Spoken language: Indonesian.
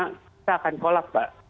kita akan kolap pak